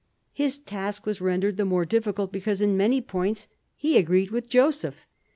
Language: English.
His task was rendered the more difficult because in many points he agreed with Joseph.